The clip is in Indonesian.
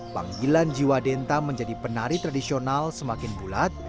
panggilan jiwa denta menjadi penari tradisional semakin bulat